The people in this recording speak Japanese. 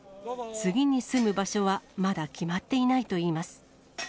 次に住む場所はまだ決まっていないといいます。